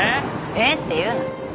「えっ？」って言うな。